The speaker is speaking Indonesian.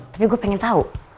tapi gue pengen tau